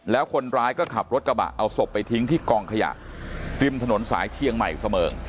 แล้วคนร้ายก็ขับรถกระบะเอาศพไปทิ้งที่กองขยะริมถนนสายเชียงใหม่เสมิง